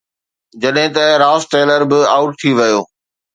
جڏهن ته Ross Taylor به آئوٽ ٿي ويو.